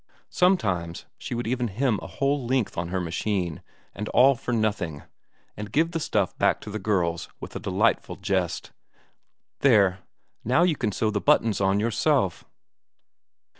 Sometimes she would even hem a whole length on her machine, and all for nothing, and give the stuff back to the girls with a delightful jest: "There now you can sew the buttons on yourself!"